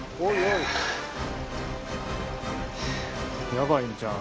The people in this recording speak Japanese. ヤバいんちゃう？